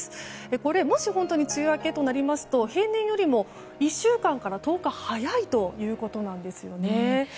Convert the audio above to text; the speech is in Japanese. これ、もし本当に梅雨明けとなりますと平年よりも１週間から１０日早いということなんですよね。